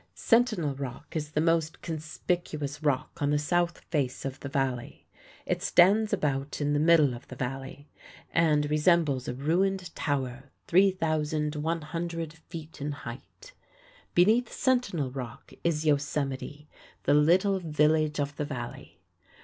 Sentinel Rock is the most conspicuous rock on the south face of the Valley. It stands about in the middle of the Valley, and resembles a ruined tower 3,100 feet in height. Beneath Sentinel Rock is Yosemite, the little village of the Valley.